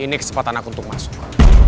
ini kesempatan anak untuk masuk